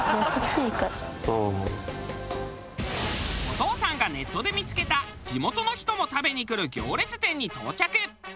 お父さんがネットで見付けた地元の人も食べに来る行列店に到着。